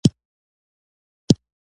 دوی موږ ته ټولنیزې او مسلکي ګټې راوړي.